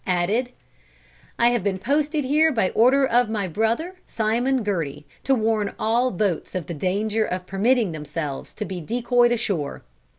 added: "I have been posted here by order of my brother, Simon Gerty, to warn all boats of the danger of permitting themselves to be decoyed ashore.